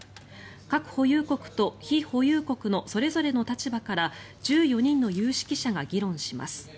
核保有国と非保有国のそれぞれの立場から１４人の有識者が議論します。